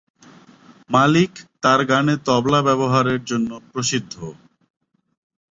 মালিক তার গানে তবলা ব্যবহারের জন্য প্রসিদ্ধ।